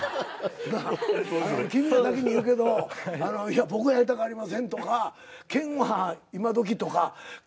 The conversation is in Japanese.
君らだけに言うけど僕はやりたくありませんとか剣は今どきとか。